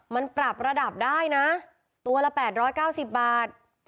มันปรับระดับได้นะตัวละแปดร้อยเก้าสิบบาท